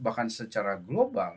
bahkan secara global